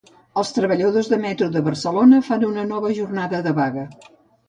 Els treballadors del metro de Barcelona fan una nova jornada de vaga.